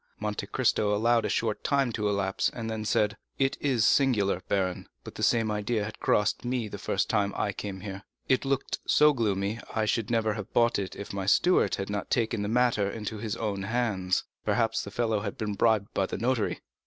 Monte Cristo allowed a short time to elapse, and then said: "It is singular, baron, but the same idea came across me the first time I came here; it looked so gloomy I should never have bought it if my steward had not taken the matter into his own hands. Perhaps the fellow had been bribed by the notary."